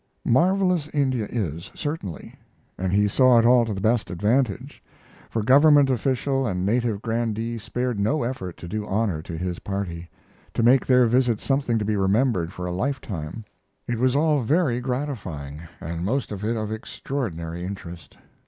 Marvelous India is, certainly; and he saw it all to the best advantage, for government official and native grandee spared no effort to do honor to his party to make their visit something to be remembered for a lifetime. It was all very gratifying, and most of it of extraordinary interest.